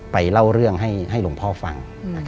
เล่าเรื่องให้หลวงพ่อฟัง